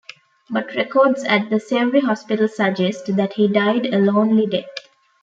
But records at the Sewri Hospital suggest that he died a lonely death.